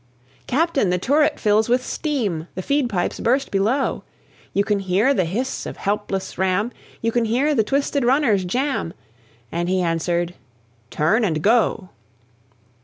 "Captain, the turret fills with steam, The feed pipes burst below You can hear the hiss of helpless ram, You can hear the twisted runners jam." And he answered, "Turn and go!"